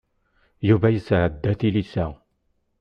Yuba iɛedda i tlisa.